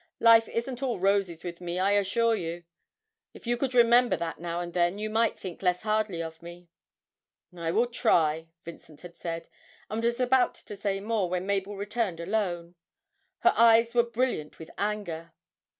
Life isn't all roses with me, I assure you. If you could remember that now and then, you might think less hardly of me!' 'I will try,' Vincent had said, and was about to say more, when Mabel returned alone. Her eyes were brilliant with anger.